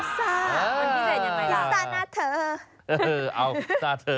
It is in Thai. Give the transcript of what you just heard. อิงสคะหน้าเทอ